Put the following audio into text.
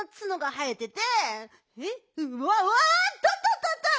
うわわっとっとっとっと！